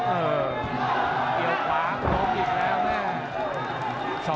เออเดี๋ยวขวางลงอีกแล้วเนี่ย